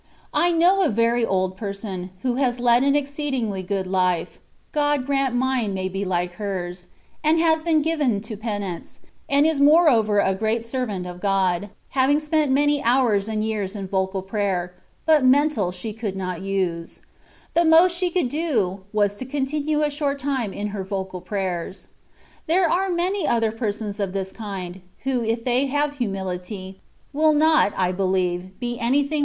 I know a very old person, who has led an exceedingly good life, (God grant mine may be like hers), and has been given to penance, and is moreover a great servant of God, having spent many hours and years in vocal prayer, but mental she could not use : the most she could do, was to continue a short time in her vocal prayers. There are many other persons of this kind, who if they have humility, will not I believe be anything THE WAY OF PERFECTION.